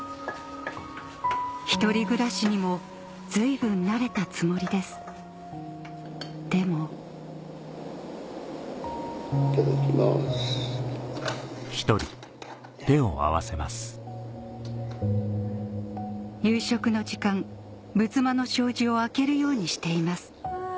１人暮らしにも随分慣れたつもりですでも夕食の時間仏間の障子を開けるようにしています